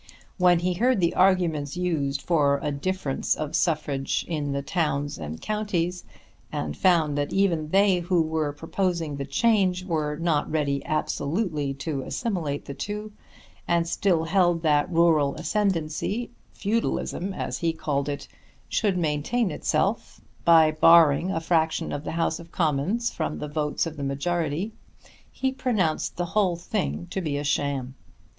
When he heard the arguments used for a difference of suffrage in the towns and counties, and found that even they who were proposing the change were not ready absolutely to assimilate the two and still held that rural ascendancy, feudalism as he called it, should maintain itself by barring a fraction of the House of Commons from the votes of the majority, he pronounced the whole thing to be a sham.